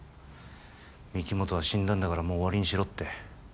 御木本は死んだんだからもう終わりにしろって